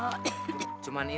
kelesananmu adalah untuk item